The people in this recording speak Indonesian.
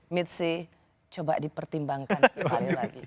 mitzi coba dipertimbangkan sekali lagi